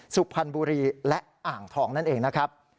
สุพรรณบุรีและอ่างทองนั่นเองนะครับ